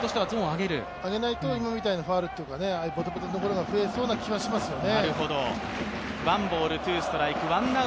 上げないと今みたいなファウルとかぼてぼてのところが増えそうな気がしますよね。